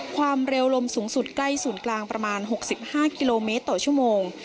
ความเร็วลมสูงสุดใกล้ศูนย์กลางประมาณ๖๕กิโลเมตรต่อชั่วโมง